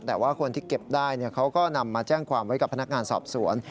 แต่ว่าคนที่เก็บได้เขาก็นำมาแจ้งความไว้กับพนักงานสอบสวน